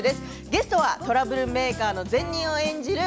ゲストはトラブルメーカーの加助を演じる